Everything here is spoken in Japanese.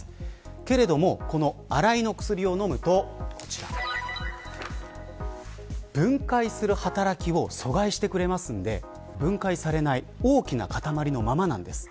けれども、アライの薬を飲むと分解する働きを阻害してくれるので分解されず大きな塊のままです。